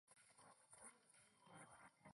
两个都将失败归咎于开放原始码社群。